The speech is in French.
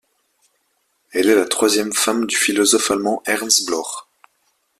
Elle est la troisième femme du philosophe allemand Ernst Bloch.